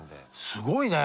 すごいね。